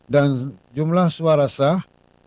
dan jumlah suara sah